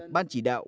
ban chỉ đạo